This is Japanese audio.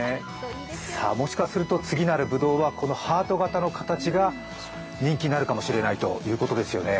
もしかすると次なるぶどうはハート形の形が人気になるかもしれないということですね。